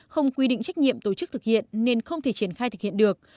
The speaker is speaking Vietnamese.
không quy định trách nhiệm tổ chức thực hiện nên không thể triển khai thực hiện được